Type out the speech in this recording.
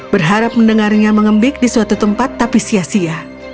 berharap mendengarnya mengembik di suatu tempat tapi sia sia